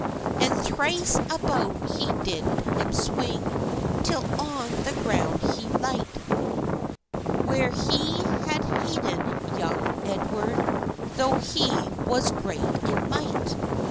And thrice about he did him swing, Till on the ground he light, Where he has halden young Edward, Tho' he was great in might.